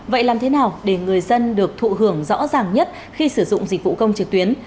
vậy làm thế nào để người dân được thụ hưởng rõ ràng nhất khi sử dụng dịch vụ công trực tuyến